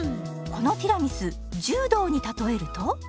このティラミス柔道に例えると？